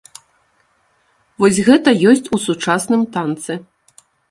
Вось гэта ёсць у сучасным танцы.